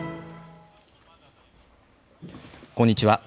こんにちは。